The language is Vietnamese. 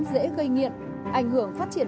dễ gây nghiện ảnh hưởng phát triển